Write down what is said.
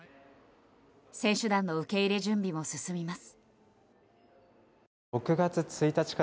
選手団の受け入れ準備も進みます。